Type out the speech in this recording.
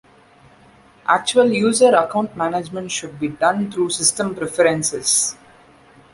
Actual user account management should be done through System Preferences.